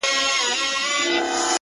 په دغسي شېبو كي عام اوخاص اړوي سـترگي؛